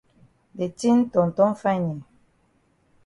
De tin ton ton fine eh.